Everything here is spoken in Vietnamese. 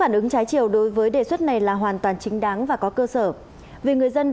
tương đương với hai mươi bốn người